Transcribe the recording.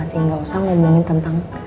lo bisa gak sih gak usah ngomongin tentang